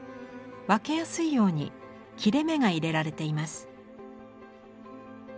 分けやすいように切れ目が入れられています。